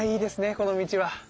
この道は。